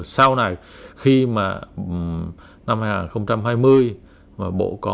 sau này khi mà